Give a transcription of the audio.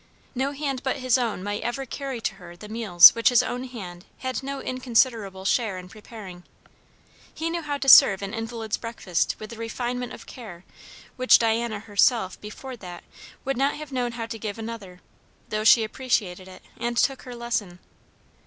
No hand but his own might ever carry to her the meals which his own hand had no inconsiderable share in preparing. He knew how to serve an invalid's breakfast with a refinement of care which Diana herself before that would not have known how to give another, though she appreciated it and took her lesson.